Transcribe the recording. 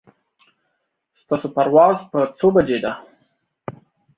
ستاسو پرواز په څو بجو ده